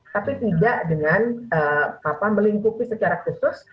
tapi tidak dengan melingkupi secara khusus